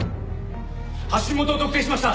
発信元を特定しました。